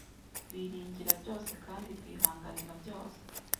rwiringira byose kandi rwihanganira byose